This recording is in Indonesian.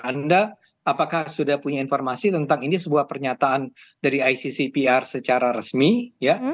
anda apakah sudah punya informasi tentang ini sebuah pernyataan dari iccpr secara resmi ya